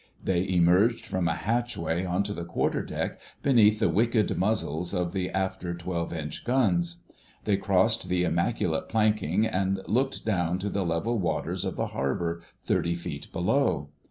They emerged from a hatchway on to the Quarter deck, beneath the wicked muzzles of the after 12 inch guns: they crossed the immaculate planking and looked down to the level waters of the harbour, thirty feet below.